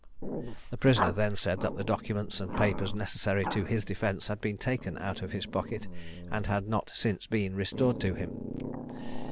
The prisoner then said that the documents and papers necessary to his defence had been taken out of his pocket, and had not since been restored to him.